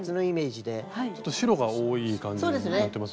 ちょっと白が多い感じにやってますよね？